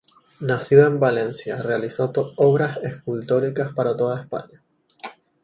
Nacido en Valencia, realizó obras escultóricas para toda España.